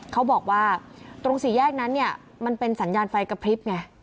เขาบอกว่าตรงสี่แยกนั้นเนี่ยมันเป็นสัญญาณไฟกระพริบไง